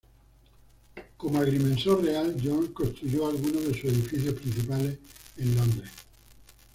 Como agrimensor real, Jones construyó algunos de sus edificios principales en Londres.